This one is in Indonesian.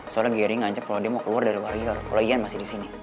soalnya gary ngancam kalo dia mau keluar dari warior kalo ian masih disini